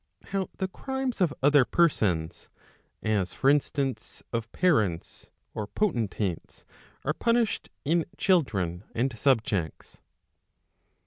How the crimes of other persons, as for instance of parents or potentates are punished in children and subjects?